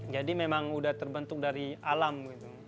jadi memang udah terbentuk dari alam gitu